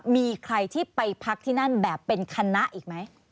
มีใครที่ไปพักที่นั่นแบบเป็นคณะอีกไหม